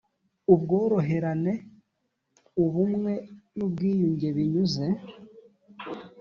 Ubworoherane ubumwe n ubwiyunge binyuze